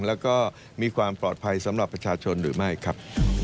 แล้วก็มีความปลอดภัยสำหรับประชาชนหรือไม่ครับ